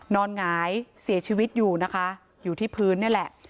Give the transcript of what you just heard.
หงายเสียชีวิตอยู่นะคะอยู่ที่พื้นนี่แหละ